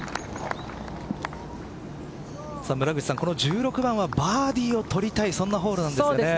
村口さん、この１６番はバーディーを取りたいそんなホールなんですよね。